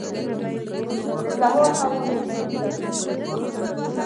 • د سهار هوا د زړونو تسکین ورکوي.